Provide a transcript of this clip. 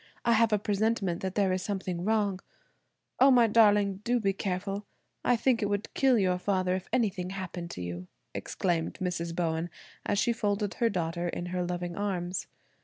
I have a presentiment that there is something wrong. O, my darling, do be careful. I think it would kill your father if anything happened to you," exclaimed Mrs. Bowen as she folded her daughter in her loving arms.